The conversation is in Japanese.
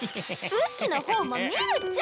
うちの方も見るっちゃ！